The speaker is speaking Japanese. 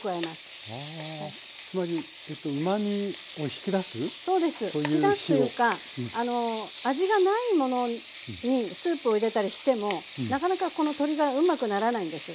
引き出すというか味がないものにスープを入れたりしてもなかなかこの鶏がうまくならないんです。